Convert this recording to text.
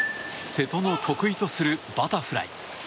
瀬戸の得意とするバタフライ。